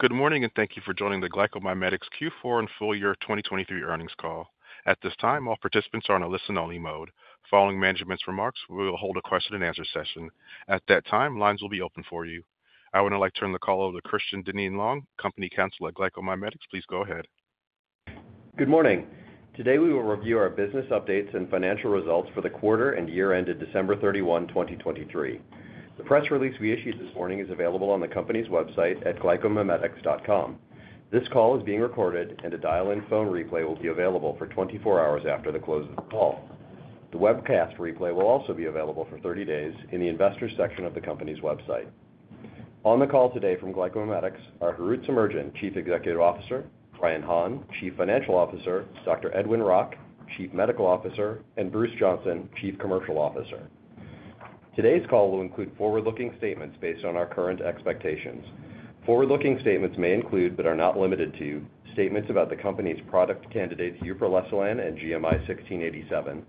Good morning and thank you for joining the GlycoMimetics Q4 and full year 2023 earnings call. At this time, all participants are on a listen-only mode. Following management's remarks, we will hold a question-and-answer session. At that time, lines will be open for you. I would now like to turn the call over to Christian Dinneen-Long, Company Counsel at GlycoMimetics. Please go ahead. Good morning. Today we will review our business updates and financial results for the quarter and year ended December 31, 2023. The press release we issued this morning is available on the company's website at glycomimetics.com. This call is being recorded, and a dial-in phone replay will be available for 24 hours after the close of the call. The webcast replay will also be available for 30 days in the investors section of the company's website. On the call today from GlycoMimetics are Harout Semerjian, Chief Executive Officer; Brian Hahn, Chief Financial Officer; Dr. Edwin Rock, Chief Medical Officer; and Bruce Johnson, Chief Commercial Officer. Today's call will include forward-looking statements based on our current expectations. Forward-looking statements may include but are not limited to: statements about the company's product candidates uproleselan and GMI-1687;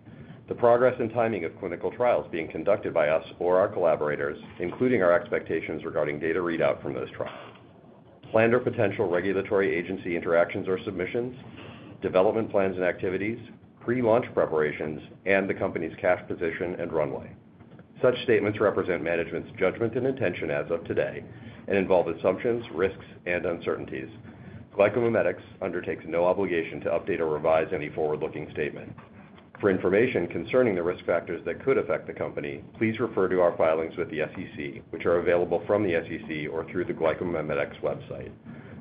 the progress and timing of clinical trials being conducted by us or our collaborators, including our expectations regarding data readout from those trials; planned or potential regulatory agency interactions or submissions; development plans and activities; pre-launch preparations; and the company's cash position and runway. Such statements represent management's judgment and intention as of today and involve assumptions, risks, and uncertainties. GlycoMimetics undertakes no obligation to update or revise any forward-looking statement. For information concerning the risk factors that could affect the company, please refer to our filings with the SEC, which are available from the SEC or through the GlycoMimetics website.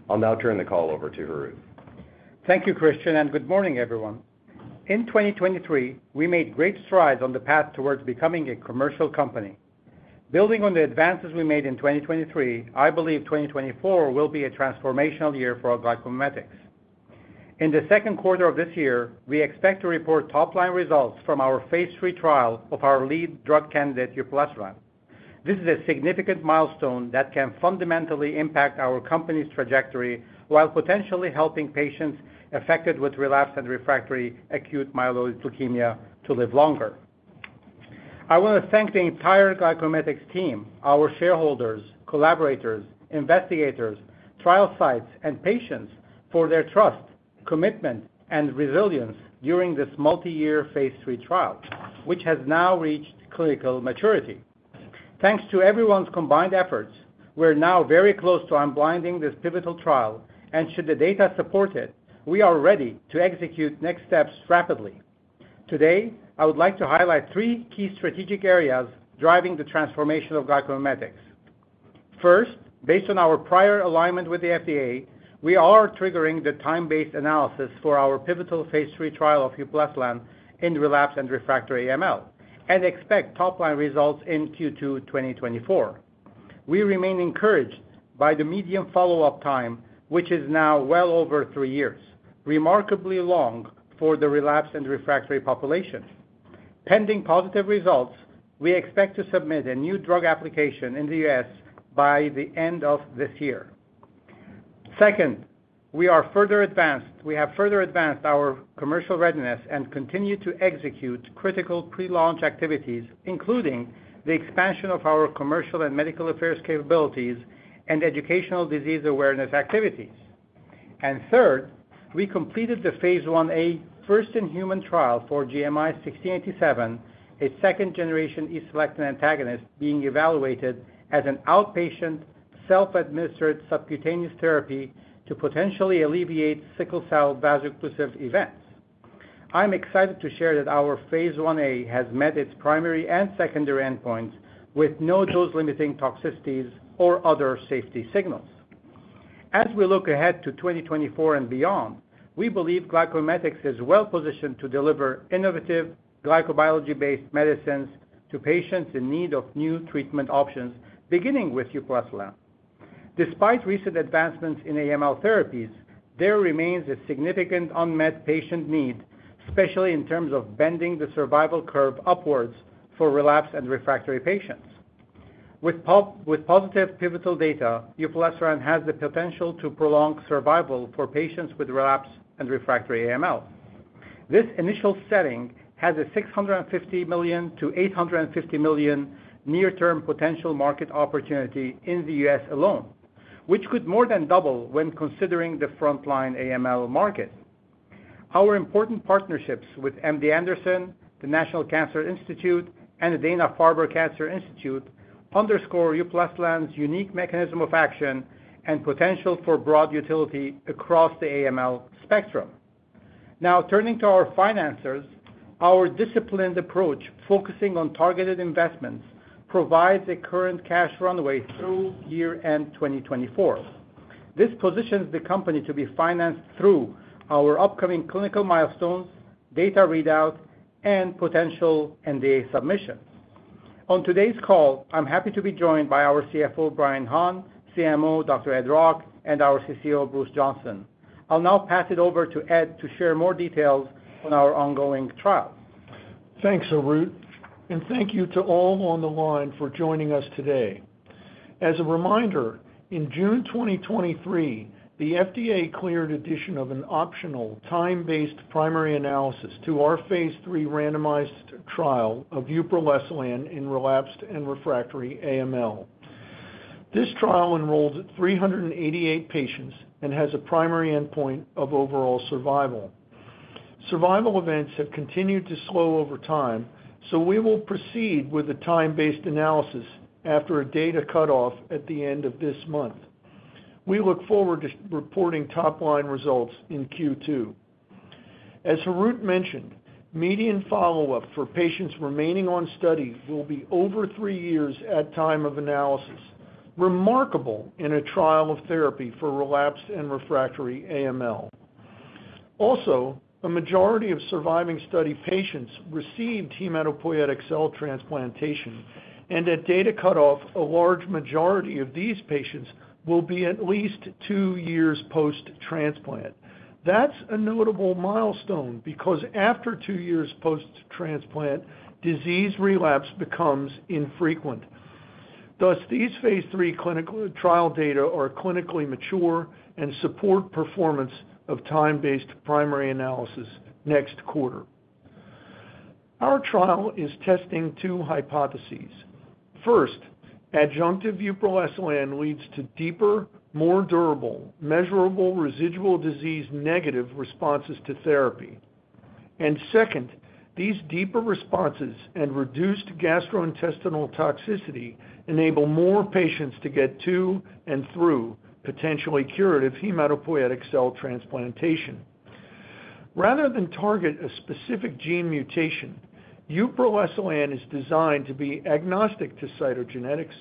I'll now turn the call over to Harout. Thank you, Christian, and good morning, everyone. In 2023, we made great strides on the path towards becoming a commercial company. Building on the advances we made in 2023, I believe 2024 will be a transformational year for GlycoMimetics. In the second quarter of this year, we expect to report top-line results from our phase III trial of our lead drug candidate uproleselan. This is a significant milestone that can fundamentally impact our company's trajectory while potentially helping patients affected with relapsed and refractory acute myeloid leukemia to live longer. I want to thank the entire GlycoMimetics team, our shareholders, collaborators, investigators, trial sites, and patients for their trust, commitment, and resilience during this multi-year phase III trial, which has now reached clinical maturity. Thanks to everyone's combined efforts, we're now very close to unblinding this pivotal trial, and should the data support it, we are ready to execute next steps rapidly. Today, I would like to highlight three key strategic areas driving the transformation of GlycoMimetics. First, based on our prior alignment with the FDA, we are triggering the time-based analysis for our pivotal phase III trial of uproleselan in relapsed and refractory AML and expect top-line results in Q2 2024. We remain encouraged by the median follow-up time, which is now well over three years, remarkably long for the relapsed and refractory population. Pending positive results, we expect to submit a new drug application in the U.S. by the end of this year. Second, we have further advanced our commercial readiness and continue to execute critical pre-launch activities, including the expansion of our commercial and medical affairs capabilities and educational disease awareness activities. Third, we completed the phase Ia first-in-human trial for GMI-1687, a second-generation E-selectin antagonist being evaluated as an outpatient, self-administered subcutaneous therapy to potentially alleviate sickle cell vaso-occlusive events. I'm excited to share that our phase Ia has met its primary and secondary endpoints with no dose-limiting toxicities or other safety signals. As we look ahead to 2024 and beyond, we believe GlycoMimetics is well-positioned to deliver innovative, glycobiology-based medicines to patients in need of new treatment options, beginning with uproleselan. Despite recent advancements in AML therapies, there remains a significant unmet patient need, especially in terms of bending the survival curve upwards for relapsed and refractory patients. With positive pivotal data, uproleselan has the potential to prolong survival for patients with relapsed and refractory AML. This initial setting has a $650 million-$850 million near-term potential market opportunity in the U.S. alone, which could more than double when considering the front-line AML market. Our important partnerships with MD Anderson, the National Cancer Institute, and the Dana-Farber Cancer Institute underscore uproleselan's unique mechanism of action and potential for broad utility across the AML spectrum. Now, turning to our finances, our disciplined approach focusing on targeted investments provides a current cash runway through year-end 2024. This positions the company to be financed through our upcoming clinical milestones, data readout, and potential NDA submissions. On today's call, I'm happy to be joined by our CFO Brian Hahn, CMO Dr. Ed Rock, and our CCO Bruce Johnson. I'll now pass it over to Ed to share more details on our ongoing trial. Thanks, Harout, and thank you to all on the line for joining us today. As a reminder, in June 2023, the FDA cleared addition of an optional time-based primary analysis to our phase III randomized trial of uproleselan in relapsed and refractory AML. This trial enrolled 388 patients and has a primary endpoint of overall survival. Survival events have continued to slow over time, so we will proceed with a time-based analysis after a data cutoff at the end of this month. We look forward to reporting top-line results in Q2. As Harout mentioned, median follow-up for patients remaining on study will be over three years at time of analysis, remarkable in a trial of therapy for relapsed and refractory AML. Also, a majority of surviving study patients received hematopoietic cell transplantation, and at data cutoff, a large majority of these patients will be at least two years post-transplant. That's a notable milestone because after two years post-transplant, disease relapse becomes infrequent. Thus, these phase III clinical trial data are clinically mature and support performance of time-based primary analysis next quarter. Our trial is testing two hypotheses. First, adjunctive uproleselan leads to deeper, more durable, measurable residual disease-negative responses to therapy. And second, these deeper responses and reduced gastrointestinal toxicity enable more patients to get to and through potentially curative hematopoietic cell transplantation. Rather than target a specific gene mutation, uproleselan is designed to be agnostic to cytogenetics,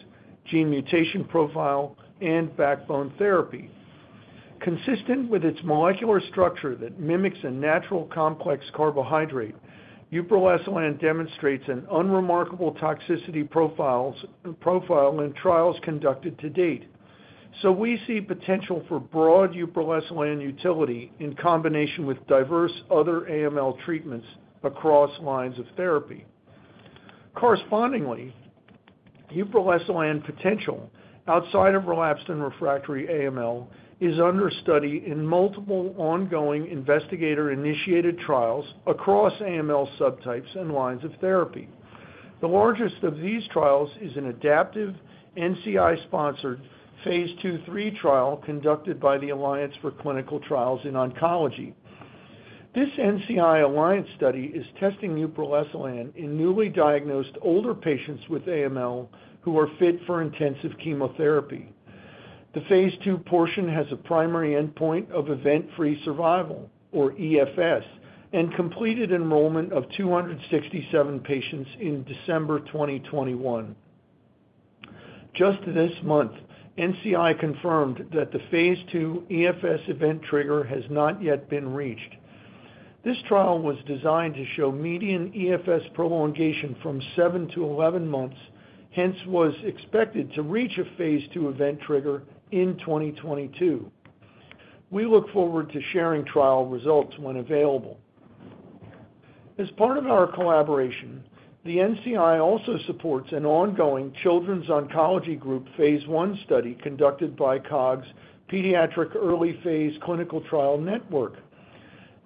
gene mutation profile, and backbone therapy. Consistent with its molecular structure that mimics a natural complex carbohydrate, uproleselan demonstrates an unremarkable toxicity profile in trials conducted to date, so we see potential for broad uproleselan utility in combination with diverse other AML treatments across lines of therapy. Correspondingly, uproleselan potential outside of relapsed and refractory AML is under study in multiple ongoing investigator-initiated trials across AML subtypes and lines of therapy. The largest of these trials is an adaptive, NCI-sponsored phase II/III trial conducted by the Alliance for Clinical Trials in Oncology. This NCI Alliance study is testing uproleselan in newly diagnosed older patients with AML who are fit for intensive chemotherapy. The phase II portion has a primary endpoint of event-free survival, or EFS, and completed enrollment of 267 patients in December 2021. Just this month, NCI confirmed that the phase II EFS event trigger has not yet been reached. This trial was designed to show median EFS prolongation from seven to 11 months, hence was expected to reach a phase II event trigger in 2022. We look forward to sharing trial results when available. As part of our collaboration, the NCI also supports an ongoing Children's Oncology Group phase I study conducted by COG's Pediatric Early Phase Clinical Trial Network.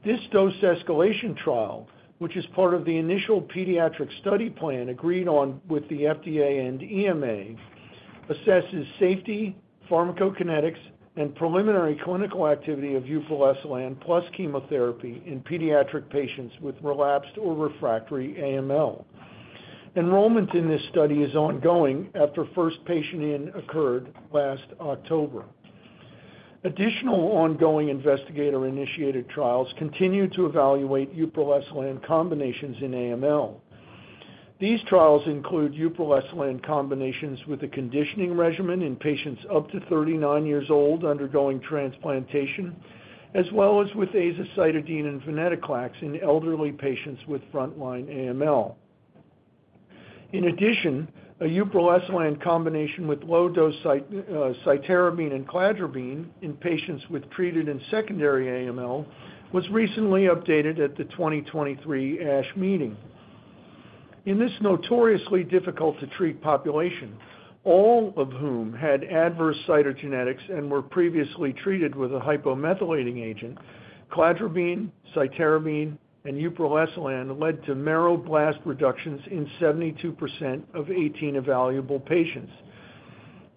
This dose escalation trial, which is part of the initial pediatric study plan agreed on with the FDA and EMA, assesses safety, pharmacokinetics, and preliminary clinical activity of uproleselan plus chemotherapy in pediatric patients with relapsed or refractory AML. Enrollment in this study is ongoing after first patient-in occurred last October. Additional ongoing investigator-initiated trials continue to evaluate uproleselan combinations in AML. These trials include uproleselan combinations with a conditioning regimen in patients up to 39 years old undergoing transplantation, as well as with azacitidine and venetoclax in elderly patients with front-line AML. In addition, a uproleselan combination with low-dose cytarabine and cladribine in patients with treated and secondary AML was recently updated at the 2023 ASH meeting. In this notoriously difficult-to-treat population, all of whom had adverse cytogenetics and were previously treated with a hypomethylating agent, cladribine, cytarabine, and uproleselan led to marrow blast reductions in 72% of 18 evaluable patients.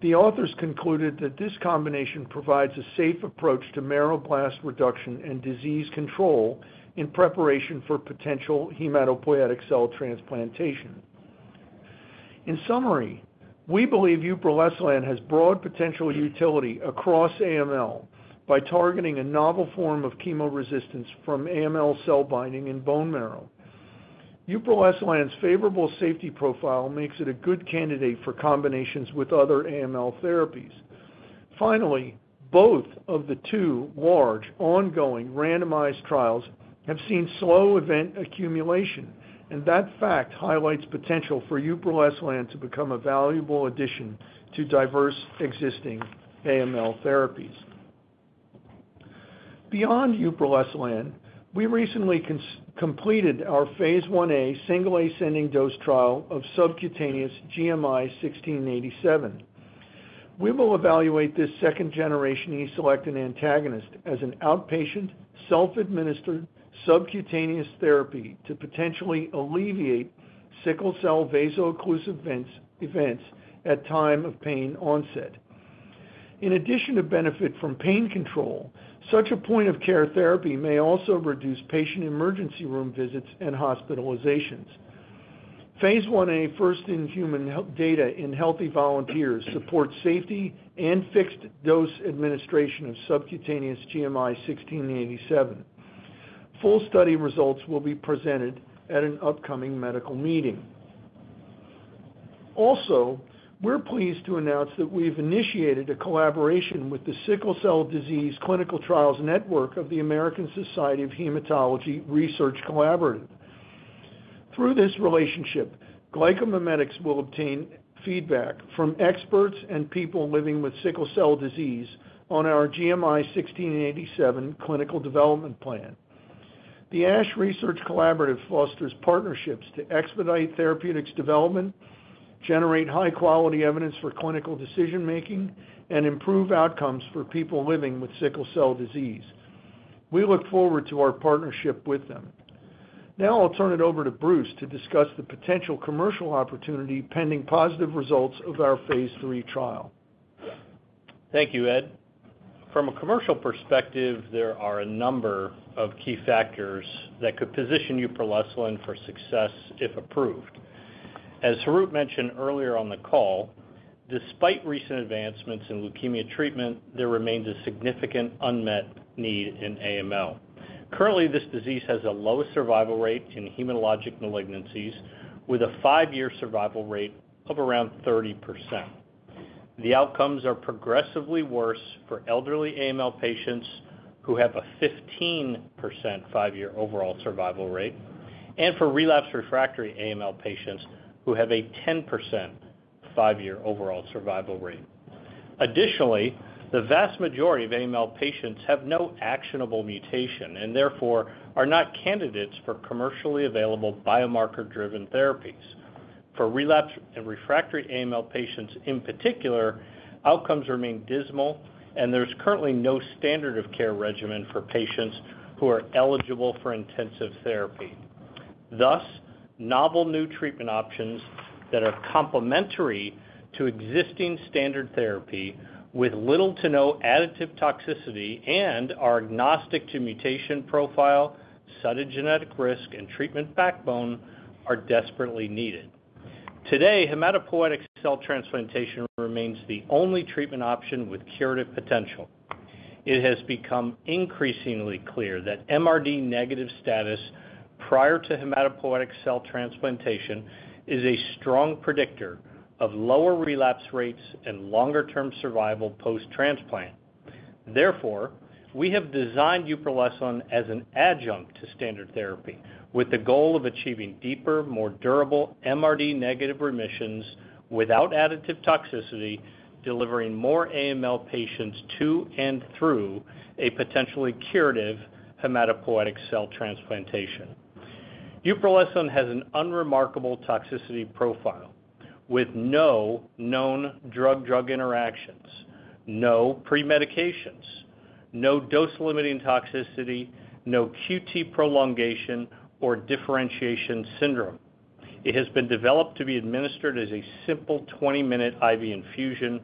The authors concluded that this combination provides a safe approach to marrow blast reduction and disease control in preparation for potential hematopoietic cell transplantation. In summary, we believe uproleselan has broad potential utility across AML by targeting a novel form of chemoresistance from AML cell binding in bone marrow. Uproleselan's favorable safety profile makes it a good candidate for combinations with other AML therapies. Finally, both of the two large, ongoing randomized trials have seen slow event accumulation, and that fact highlights potential for uproleselan to become a valuable addition to diverse existing AML therapies. Beyond uproleselan, we recently completed our phase Ia single ascending dose trial of subcutaneous GMI-1687. We will evaluate this second-generation E-selectin antagonist as an outpatient, self-administered subcutaneous therapy to potentially alleviate sickle cell vaso-occlusive events at time of pain onset. In addition to benefit from pain control, such a point-of-care therapy may also reduce patient emergency room visits and hospitalizations. Phase 1a first-in-human data in healthy volunteers supports safety and fixed-dose administration of subcutaneous GMI-1687. Full study results will be presented at an upcoming medical meeting. Also, we're pleased to announce that we've initiated a collaboration with the Sickle Cell Disease Clinical Trials Network of the American Society of Hematology Research Collaborative. Through this relationship, GlycoMimetics will obtain feedback from experts and people living with sickle cell disease on our GMI-1687 clinical development plan. The ASH Research Collaborative fosters partnerships to expedite therapeutics development, generate high-quality evidence for clinical decision-making, and improve outcomes for people living with sickle cell disease. We look forward to our partnership with them. Now I'll turn it over to Bruce to discuss the potential commercial opportunity pending positive results of our phase III trial. Thank you, Ed. From a commercial perspective, there are a number of key factors that could position uproleselan for success if approved. As Harout mentioned earlier on the call, despite recent advancements in leukemia treatment, there remains a significant unmet need in AML. Currently, this disease has a low survival rate in hematologic malignancies, with a five-year survival rate of around 30%. The outcomes are progressively worse for elderly AML patients who have a 15% five-year overall survival rate, and for relapsed refractory AML patients who have a 10% five-year overall survival rate. Additionally, the vast majority of AML patients have no actionable mutation and, therefore, are not candidates for commercially available biomarker-driven therapies. For relapsed and refractory AML patients in particular, outcomes remain dismal, and there's currently no standard-of-care regimen for patients who are eligible for intensive therapy. Thus, novel new treatment options that are complementary to existing standard therapy, with little to no additive toxicity and are agnostic to mutation profile, cytogenetic risk, and treatment backbone, are desperately needed. Today, hematopoietic cell transplantation remains the only treatment option with curative potential. It has become increasingly clear that MRD-negative status prior to hematopoietic cell transplantation is a strong predictor of lower relapse rates and longer-term survival post-transplant. Therefore, we have designed uproleselan as an adjunct to standard therapy, with the goal of achieving deeper, more durable MRD-negative remissions without additive toxicity, delivering more AML patients to and through a potentially curative hematopoietic cell transplantation. Uproleselan has an unremarkable toxicity profile, with no known drug-drug interactions, no premedications, no dose-limiting toxicity, no QT prolongation or differentiation syndrome. It has been developed to be administered as a simple 20-minute IV infusion.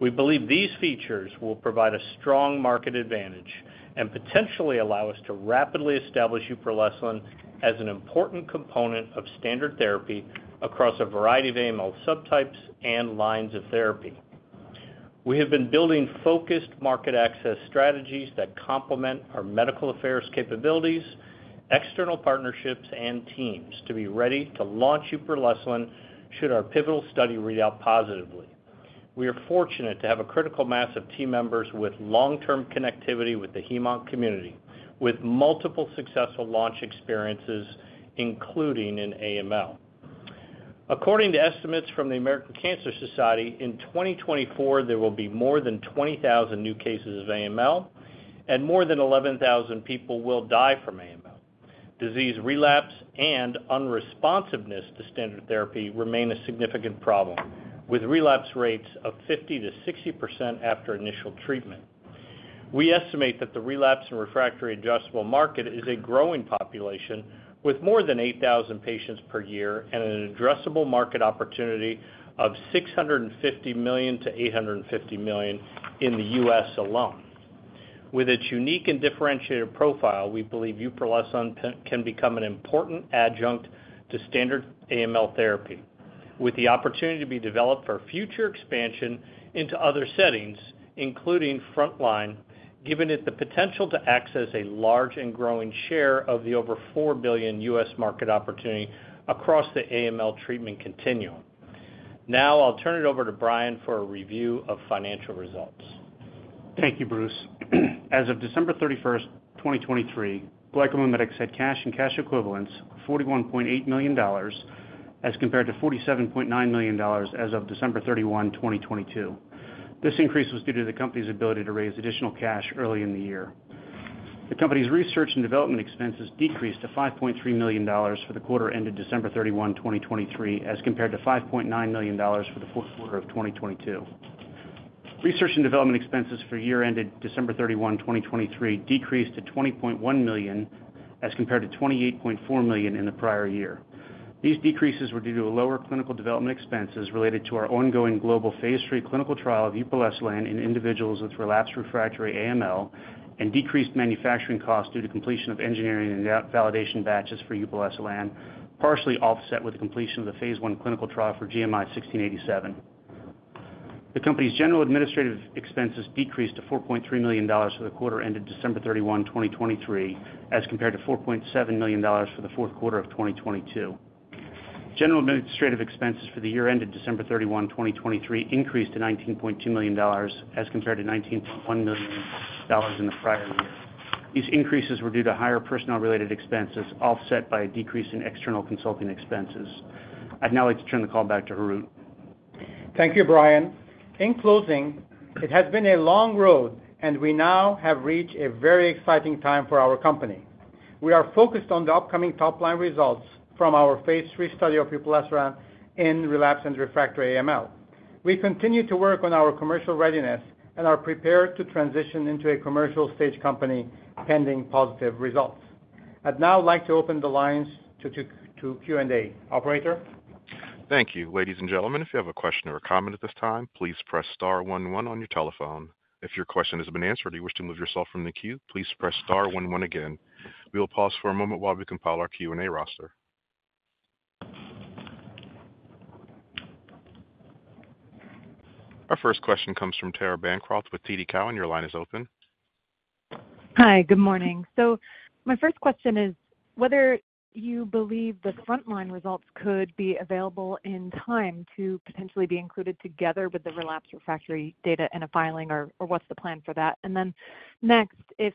We believe these features will provide a strong market advantage and potentially allow us to rapidly establish uproleselan as an important component of standard therapy across a variety of AML subtypes and lines of therapy. We have been building focused market access strategies that complement our medical affairs capabilities, external partnerships, and teams to be ready to launch uproleselan should our pivotal study read out positively. We are fortunate to have a critical mass of team members with long-term connectivity with the Hem/Onc community, with multiple successful launch experiences, including in AML. According to estimates from the American Cancer Society, in 2024 there will be more than 20,000 new cases of AML, and more than 11,000 people will die from AML. Disease relapse and unresponsiveness to standard therapy remain a significant problem, with relapse rates of 50%-60% after initial treatment. We estimate that the relapsed and refractory addressable market is a growing population, with more than 8,000 patients per year and an addressable market opportunity of $650 million-$850 million in the U.S. alone. With its unique and differentiated profile, we believe uproleselan can become an important adjunct to standard AML therapy, with the opportunity to be developed for future expansion into other settings, including front-line, given its potential to access a large and growing share of the over $4 billion U.S. market opportunity across the AML treatment continuum. Now I'll turn it over to Brian for a review of financial results. Thank you, Bruce. As of December 31, 2023, GlycoMimetics had cash and cash equivalents of $41.8 million as compared to $47.9 million as of December 31, 2022. This increase was due to the company's ability to raise additional cash early in the year. The company's research and development expenses decreased to $5.3 million for the quarter ended December 31, 2023, as compared to $5.9 million for the fourth quarter of 2022. Research and development expenses for year-ended December 31, 2023 decreased to $20.1 million as compared to $28.4 million in the prior year. These decreases were due to lower clinical development expenses related to our ongoing global phase III clinical trial of uproleselan in individuals with relapsed refractory AML and decreased manufacturing costs due to completion of engineering and validation batches for uproleselan, partially offset with the completion of the phase I clinical trial for GMI-1687. The company's general administrative expenses decreased to $4.3 million for the quarter ended December 31, 2023, as compared to $4.7 million for the fourth quarter of 2022. General administrative expenses for the year-ended December 31, 2023 increased to $19.2 million as compared to $19.1 million in the prior year. These increases were due to higher personnel-related expenses, offset by a decrease in external consulting expenses. I'd now like to turn the call back to Harout. Thank you, Brian. In closing, it has been a long road, and we now have reached a very exciting time for our company. We are focused on the upcoming top-line results from our phase III study of uproleselan in relapsed and refractory AML. We continue to work on our commercial readiness and are prepared to transition into a commercial-stage company pending positive results. I'd now like to open the lines to Q and A. Operator? Thank you. Ladies and gentlemen, if you have a question or a comment at this time, please press star one one on your telephone. If your question has been answered or you wish to move yourself from the queue, please press star one one again. We will pause for a moment while we compile our Q and A roster. Our first question comes from Tara Bancroft with TD Cowen. Your line is open. Hi. Good morning. So my first question is whether you believe the front-line results could be available in time to potentially be included together with the relapsed refractory data and a filing, or what's the plan for that? And then next, if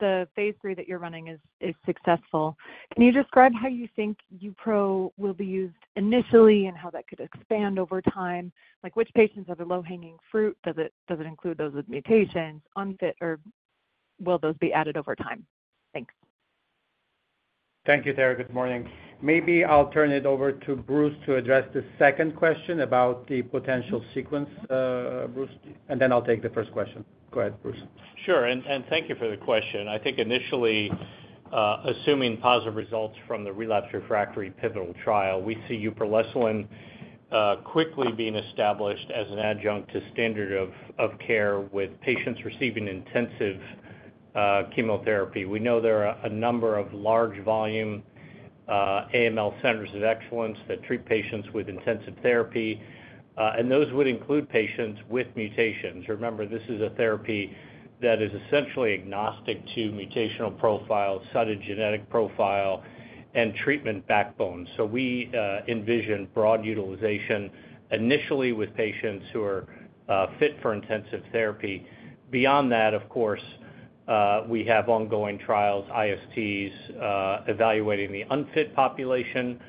the phase III that you're running is successful, can you describe how you think uproleselan will be used initially and how that could expand over time? Which patients are the low-hanging fruit? Does it include those with mutations, unfit, or will those be added over time? Thanks. Thank you, Tara. Good morning. Maybe I'll turn it over to Bruce to address the second question about the potential sequence, Bruce, and then I'll take the first question. Go ahead, Bruce. Sure. And thank you for the question. I think initially, assuming positive results from the relapsed refractory pivotal trial, we see uproleselan quickly being established as an adjunct to standard of care with patients receiving intensive chemotherapy. We know there are a number of large-volume AML centers of excellence that treat patients with intensive therapy, and those would include patients with mutations. Remember, this is a therapy that is essentially agnostic to mutational profile, cytogenetic profile, and treatment backbone. So we envision broad utilization initially with patients who are fit for intensive therapy. Beyond that, of course, we have ongoing trials, ISTs, evaluating the unfit population,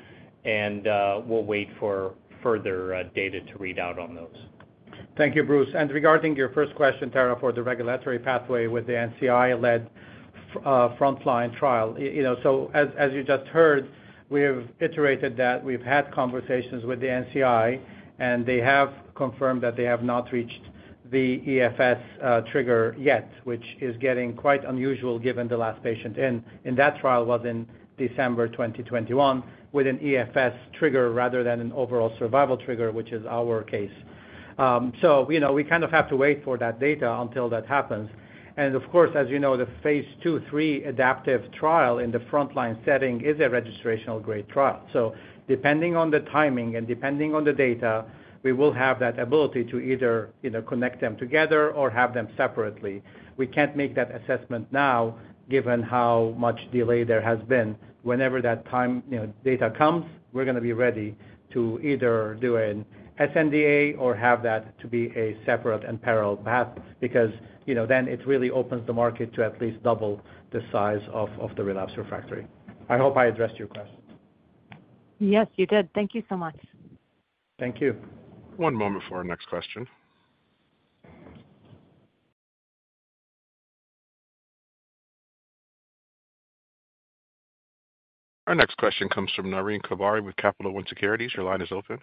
and we'll wait for further data to read out on those. Thank you, Bruce. Regarding your first question, Tara, for the regulatory pathway with the NCI-led front-line trial, so as you just heard, we've iterated that. We've had conversations with the NCI, and they have confirmed that they have not reached the EFS trigger yet, which is getting quite unusual given the last patient in that trial was in December 2021 with an EFS trigger rather than an overall survival trigger, which is our case. We kind of have to wait for that data until that happens. Of course, as you know, the phase 2/3 adaptive trial in the front-line setting is a registrational-grade trial. Depending on the timing and depending on the data, we will have that ability to either connect them together or have them separately. We can't make that assessment now given how much delay there has been. Whenever that data comes, we're going to be ready to either do an sNDA or have that to be a separate and parallel path because then it really opens the market to at least double the size of the relapsed refractory. I hope I addressed your question. Yes, you did. Thank you so much. Thank you. One moment for our next question. Our next question comes from Naureen Quibria with Capital One Securities. Your line is open.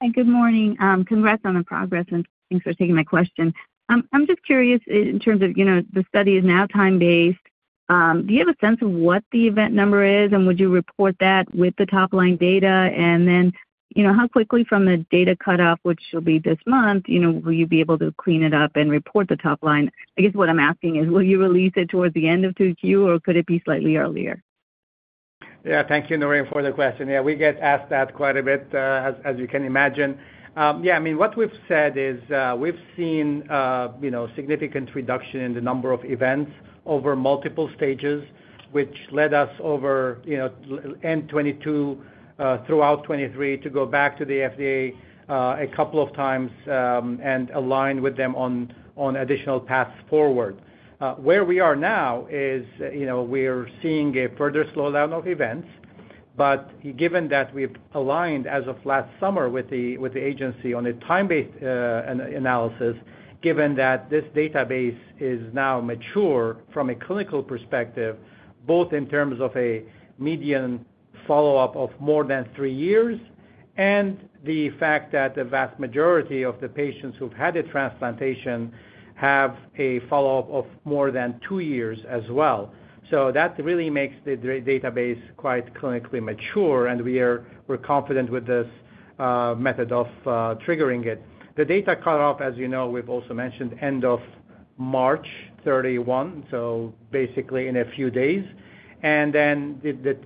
Hi. Good morning. Congrats on the progress, and thanks for taking my question. I'm just curious in terms of the study is now time-based. Do you have a sense of what the event number is, and would you report that with the top-line data? And then how quickly from the data cutoff, which will be this month, will you be able to clean it up and report the top-line? I guess what I'm asking is, will you release it towards the end of 2Q, or could it be slightly earlier? Yeah. Thank you, Naureen, for the question. Yeah, we get asked that quite a bit, as you can imagine. Yeah, I mean, what we've said is we've seen significant reduction in the number of events over multiple stages, which led us over end 2022 throughout 2023 to go back to the FDA a couple of times and align with them on additional paths forward. Where we are now is we're seeing a further slowdown of events. But given that we've aligned as of last summer with the agency on a time-based analysis, given that this database is now mature from a clinical perspective, both in terms of a median follow-up of more than three years and the fact that the vast majority of the patients who've had a transplantation have a follow-up of more than two years as well. So that really makes the database quite clinically mature, and we're confident with this method of triggering it. The data cutoff, as you know, we've also mentioned, end of March 2021, so basically in a few days. And then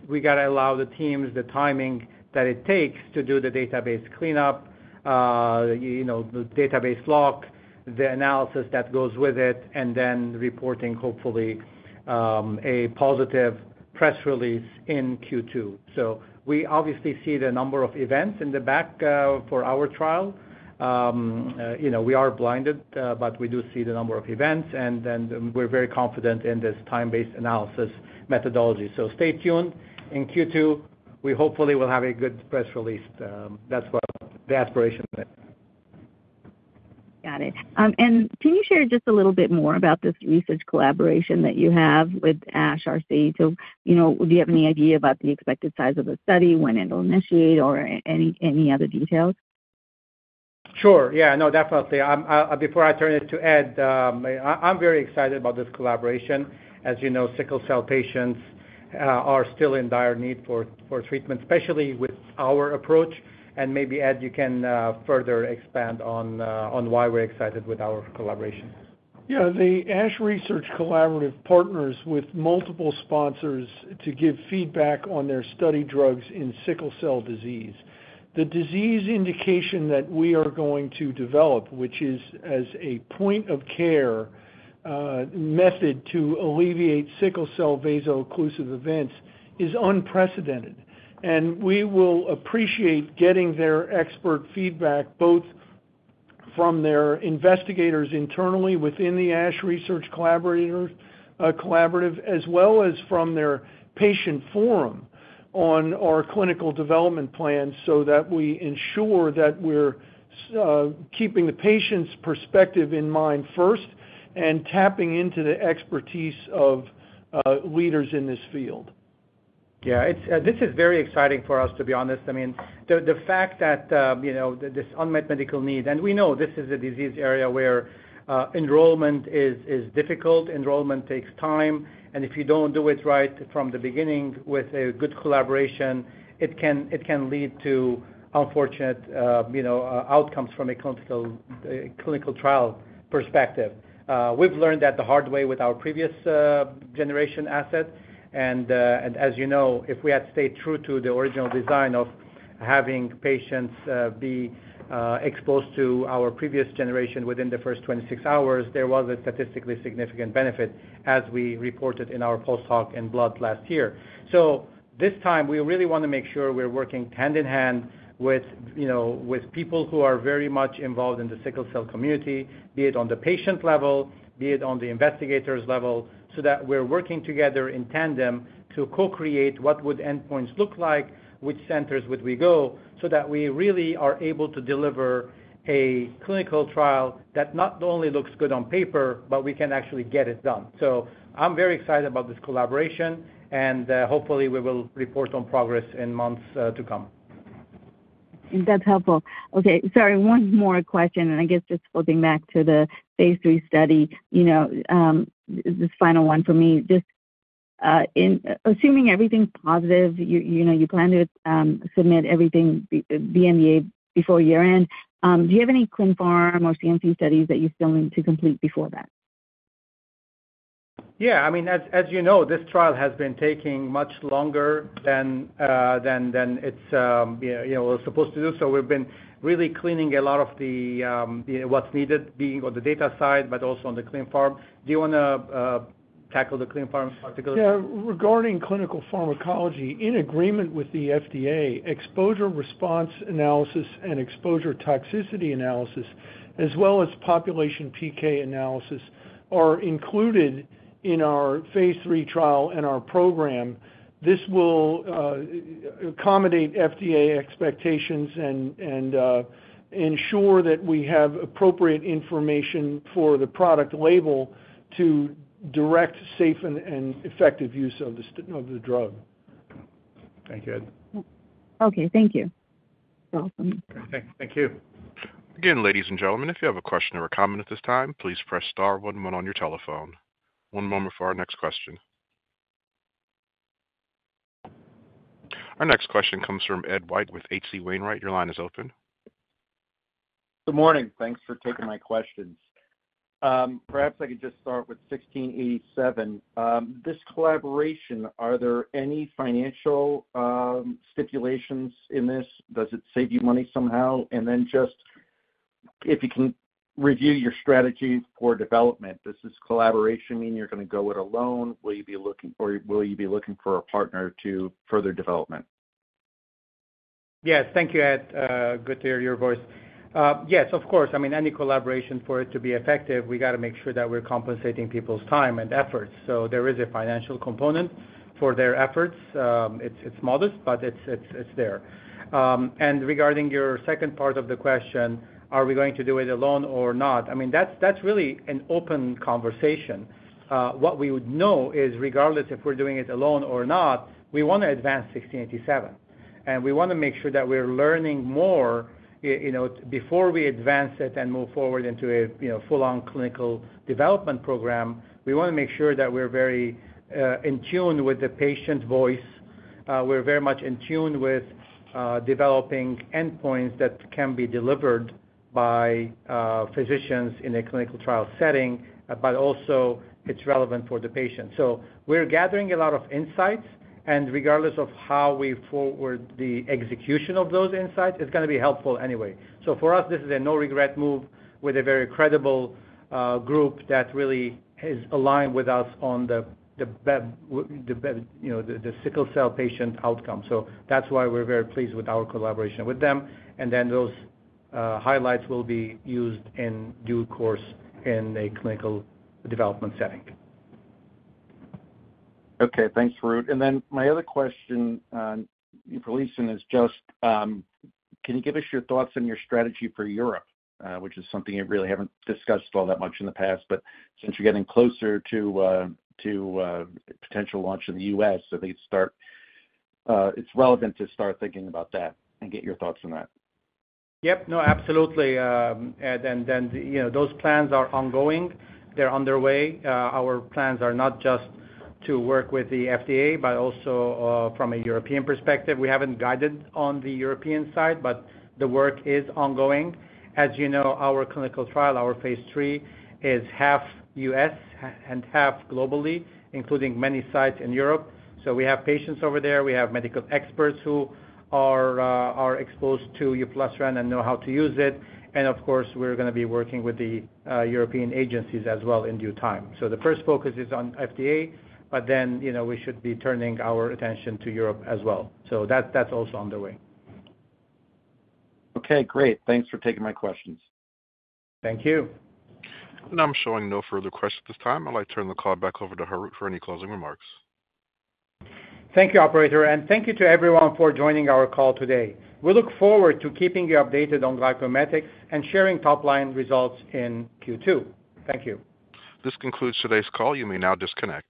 we got to allow the teams the timing that it takes to do the database cleanup, the database lock, the analysis that goes with it, and then reporting, hopefully, a positive press release in Q2. So we obviously see the number of events in the back for our trial. We are blinded, but we do see the number of events, and then we're very confident in this time-based analysis methodology. So stay tuned. In Q2, we hopefully will have a good press release. That's what the aspiration is. Got it. And can you share just a little bit more about this research collaboration that you have with ASH RC? So do you have any idea about the expected size of the study, when it'll initiate, or any other details? Sure. Yeah. No, definitely. Before I turn it to Ed, I'm very excited about this collaboration. As you know, sickle cell patients are still in dire need for treatment, especially with our approach. Maybe, Ed, you can further expand on why we're excited with our collaboration. Yeah. The ASH RC research collaborative partners with multiple sponsors to give feedback on their study drugs in sickle cell disease. The disease indication that we are going to develop, which is as a point-of-care method to alleviate sickle cell vaso-occlusive events, is unprecedented. We will appreciate getting their expert feedback, both from their investigators internally within the ASH Research Collaborative, as well as from their patient forum on our clinical development plans so that we ensure that we're keeping the patient's perspective in mind first and tapping into the expertise of leaders in this field. Yeah. This is very exciting for us, to be honest. I mean, the fact that this unmet medical need and we know this is a disease area where enrollment is difficult. Enrollment takes time. And if you don't do it right from the beginning with a good collaboration, it can lead to unfortunate outcomes from a clinical trial perspective. We've learned that the hard way with our previous generation asset. And as you know, if we had stayed true to the original design of having patients be exposed to our previous generation within the first 26 hours, there was a statistically significant benefit, as we reported in our post-hoc in Blood last year. This time, we really want to make sure we're working hand-in-hand with people who are very much involved in the sickle cell community, be it on the patient level, be it on the investigators' level, so that we're working together in tandem to co-create what would endpoints look like, which centers would we go, so that we really are able to deliver a clinical trial that not only looks good on paper, but we can actually get it done. So I'm very excited about this collaboration, and hopefully, we will report on progress in months to come. That's helpful. Okay. Sorry, one more question. I guess just flipping back to the phase III study, this final one for me, just assuming everything's positive, you plan to submit the NDA before year-end. Do you have any clin pharm or CMC studies that you still need to complete before that? Yeah. I mean, as you know, this trial has been taking much longer than it was supposed to do. So we've been really cleaning a lot of what's needed, being on the data side, but also on the ClinPharm. Do you want to tackle the ClinPharm in particular? Yeah. Regarding clinical pharmacology, in agreement with the FDA, exposure response analysis and exposure toxicity analysis, as well as population PK analysis, are included in our phase III trial and our program. This will accommodate FDA expectations and ensure that we have appropriate information for the product label to direct safe and effective use of the drug. Thank you, Ed. Okay. Thank you. You're welcome. Great. Thank you. Again, ladies and gentlemen, if you have a question or a comment at this time, please press star one one on your telephone. One moment for our next question. Our next question comes from Ed White with H.C. Wainwright. Your line is open. Good morning. Thanks for taking my questions. Perhaps I could just start with 1687. This collaboration, are there any financial stipulations in this? Does it save you money somehow? And then just if you can review your strategy for development, does this collaboration mean you're going to go it alone? Will you be looking for a partner to further development? Yes. Thank you, Ed. Good to hear your voice. Yes, of course. I mean, any collaboration, for it to be effective, we got to make sure that we're compensating people's time and efforts. So there is a financial component for their efforts. It's modest, but it's there. And regarding your second part of the question, are we going to do it alone or not? I mean, that's really an open conversation. What we would know is, regardless if we're doing it alone or not, we want to advance 1687. And we want to make sure that we're learning more. Before we advance it and move forward into a full-on clinical development program, we want to make sure that we're very in tune with the patient's voice. We're very much in tune with developing endpoints that can be delivered by physicians in a clinical trial setting, but also it's relevant for the patient. So we're gathering a lot of insights. And regardless of how we forward the execution of those insights, it's going to be helpful anyway. So for us, this is a no-regret move with a very credible group that really is aligned with us on the sickle cell patient outcome. So that's why we're very pleased with our collaboration with them. And then those highlights will be used in due course in a clinical development setting. Okay. Thanks, Harout. And then my other question, Harout, is just, can you give us your thoughts on your strategy for Europe, which is something you really haven't discussed all that much in the past, but since you're getting closer to potential launch in the U.S., so I think it's relevant to start thinking about that and get your thoughts on that? Yep. No, absolutely, Ed. And then those plans are ongoing. They're underway. Our plans are not just to work with the FDA, but also from a European perspective. We haven't guided on the European side, but the work is ongoing. As you know, our clinical trial, our phase III, is half U.S. and half globally, including many sites in Europe. So we have patients over there. We have medical experts who are exposed to uproleselan and know how to use it. And of course, we're going to be working with the European agencies as well in due time. So the first focus is on FDA, but then we should be turning our attention to Europe as well. So that's also underway. Okay. Great. Thanks for taking my questions. Thank you. I'm showing no further questions at this time. I'd like to turn the call back over to Harout for any closing remarks. Thank you, operator. Thank you to everyone for joining our call today. We look forward to keeping you updated on GlycoMimetics and sharing top-line results in Q2. Thank you. This concludes today's call. You may now disconnect.